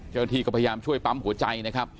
เจราถีก็พยายามช่วยปั๊มหัวใจ